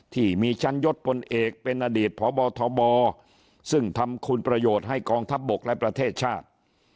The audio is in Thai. ที่มีชั้นยศพลเอกเป็นอดีตพบทบซึ่งทำคุณประโยชน์ให้กองทัพบกและประเทศชาติ